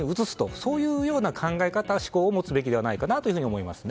そういう考え方、思考を持つべきではないかなと思います。